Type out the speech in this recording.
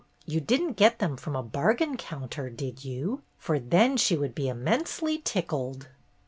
You did n't get them from a bargain counter, did you ? For then she would be immensely tickled."